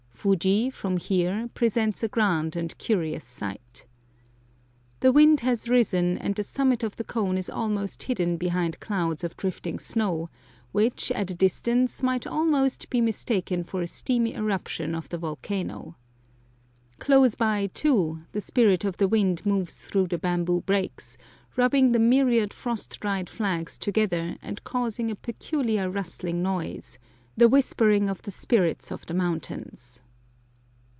Fuji, from here, presents a grand and curious sight. The wind has risen, and the summit of the cone is almost hidden behind clouds of drifting snow, which at a distance might almost be mistaken for a steamy eruption of the volcano. Close by, too, the spirit of the wind moves through the bamboo brakes, rubbing the myriad frost dried flags together and causing a peculiar rustling noise the whispering of the spirits of the mountains.